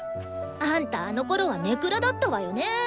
あんたあのころは根暗だったわよね。